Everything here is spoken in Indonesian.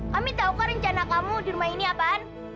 kami tau kan rencana kamu di rumah ini apaan